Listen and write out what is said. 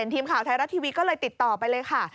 ทีมข่าวไทยรัฐทีวีก็เลยติดต่อไปเลยค่ะ